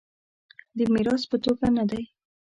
د میراث په توګه نه دی.